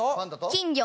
金魚。